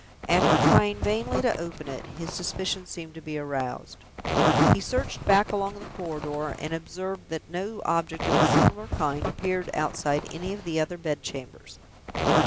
After trying vainly to open it, his suspicion seemed to be aroused. He searched back along the corridor, and observed that no object of a similar kind appeared outside any of the other bed chambers.